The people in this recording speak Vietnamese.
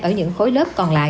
ở những khối lớp còn lại